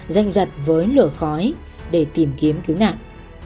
danh giật với lửa khói để tìm kiếm cứu nạn